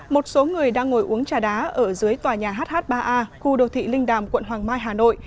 một số người đang ngồi uống trà đá ở dưới tòa nhà hh ba a khu đô thị linh đàm quận hoàng mai hà nội